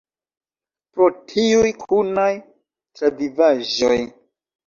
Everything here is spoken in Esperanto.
Pro tiuj kunaj travivaĵoj.